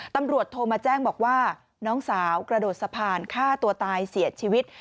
ตำรวจโทรมาแจ้งบอกว่าน้องสาวกระโดดสะพานฆ่าตัวตายเสียชีวิต